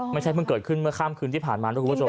ไม่ใช่เพิ่งเกิดขึ้นเมื่อข้ามคืนที่ผ่านมา